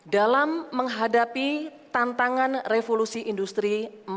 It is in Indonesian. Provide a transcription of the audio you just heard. dalam menghadapi tantangan revolusi industri empat